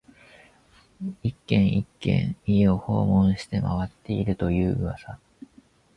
一軒、一軒、家を訪問して回っていると言う噂